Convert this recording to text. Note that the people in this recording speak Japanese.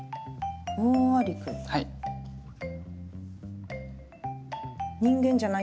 はい。